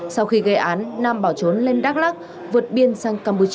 sau khi gây án nam bảo trốn lên đắk lắc vượt biên sang cà mô